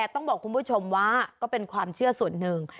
ต้องบอกคุณผู้ชมว่าก็เป็นความเชื่อส่วนหนึ่ง